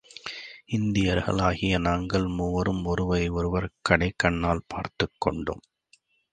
இந்தியர்களாகிய நாங்கள் மூவரும் ஒருவரை ஒருவர் கடைக் கண்ணால் பார்த்துக் கொண்டோம்.